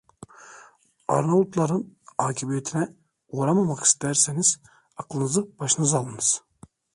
Arnavutların akıbetine uğramamak ister iseniz aklınızı başınıza alınız…